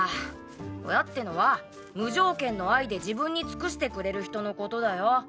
親ってのは無条件の愛で自分に尽くしてくれる人のことだよ。